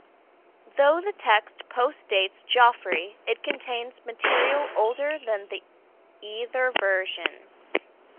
Though the text postdates Geoffrey, it contains material older than either version.